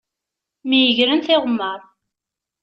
Myegren tiɣemmaṛ.